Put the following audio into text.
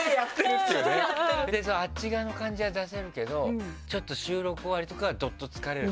あっち側の感じは出せるけどちょっと収録終わりとかはどっと疲れるってことですね。